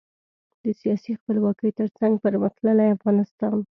د سیاسي خپلواکۍ ترڅنګ پرمختللي افغانستان.